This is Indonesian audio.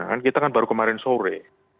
kan kita kan baru kemarin sore